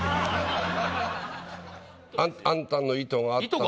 あんたの意図があったと。